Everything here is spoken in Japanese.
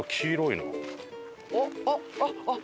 あっあっあっあっ！